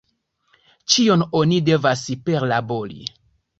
Ĉion oni devas perlabori.